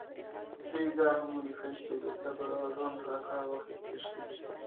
دوی دا هم ولیکل چې د صبر او زغم څخه کار واخیستل شي.